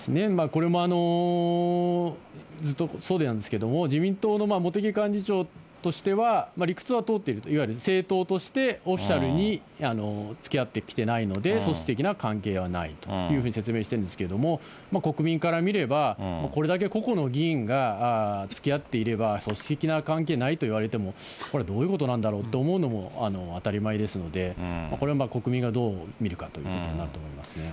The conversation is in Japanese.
これもずっとそうなんですけれども、自民党の茂木幹事長としては、理屈は通っていると、いわゆる政党としてオフィシャルにつきあってきてないので、組織的な関係はないというふうに説明してるんですけれども、国民から見れば、これだけ個々の議員がつきあっていれば、組織的な関係ないと言われても、これ、どういうことなんだろうと思うのも当たり前ですので、これは国民がどう見るかということになると思いますね。